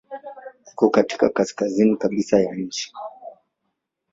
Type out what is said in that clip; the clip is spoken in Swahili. Iko katika kaskazini kabisa ya nchi.